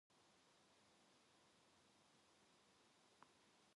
영숙은 이 말에 또 한 번 말이 없이 있다.